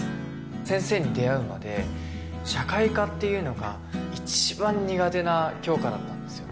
先生に出会うまで社会科っていうのが一番苦手な教科だったんですよ。